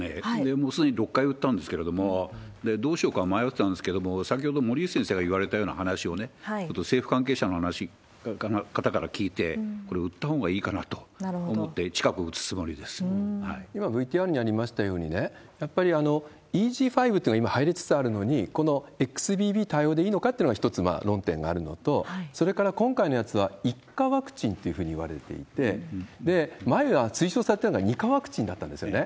もうすでに６回打ったんですけれども、どうしようか迷ってたんですけれども、先ほど森内先生が言われたような話をね、政府関係者の方から聞いて、これ、打ったほうがいいかなと思って、今、ＶＴＲにありましたように、やっぱりＥＧ．５っていうのが今はやりつつあるのに、このＸＢＢ対応でいいのかっていうのが、一つ、論点があるのと、それから今回のやつは、１価ワクチンというふうにいわれていて、前は推奨されていたのは２価ワクチンだったんですよね。